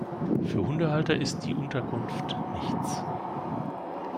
Für Hundehalter ist die Unterkunft nichts.